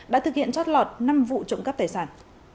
đã thực hiện chót lọt năm vụ trộm cắp tài sản